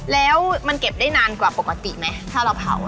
แล้วมันเก็บได้นานกว่าปกติไหมถ้าเราเผา